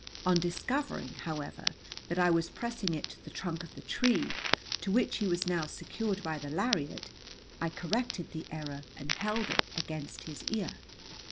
On discovering, however, that I was pressing it to the trunk of the tree, to which he was now secured by the lariat, I corrected the error and held it against his ear.